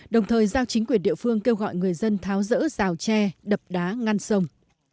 đồng thời giao chính quyền địa phương kêu gọi người dân tháo rỡ rào tre đập đá ngăn sông